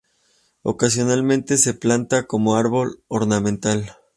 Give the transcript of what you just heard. Ocasionalmente se planta como árbol ornamental.